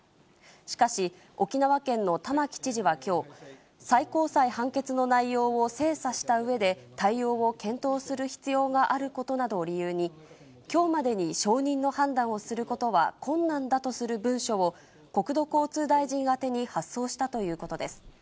しかし、沖縄県の玉城知事はきょう、最高裁判決の内容を精査したうえで、対応を検討する必要があることなどを理由に、きょうまでに承認の判断をすることは困難だとする文書を、国土交通大臣宛てに発送したということです。